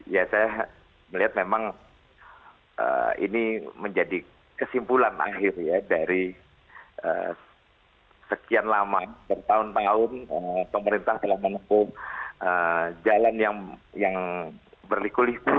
ya saya melihat memang ini menjadi kesimpulan akhir ya dari sekian lama bertahun tahun pemerintah telah menempuh jalan yang berlikulis